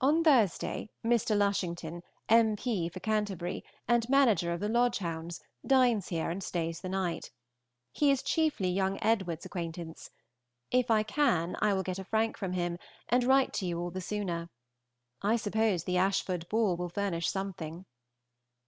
On Thursday, Mr. Lushington, M.P. for Canterbury, and manager of the Lodge Hounds, dines here, and stays the night. He is chiefly young Edward's acquaintance. If I can I will get a frank from him, and write to you all the sooner. I suppose the Ashford ball will furnish something.